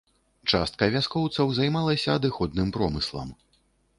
Частка вяскоўцаў займалася адыходным промыслам.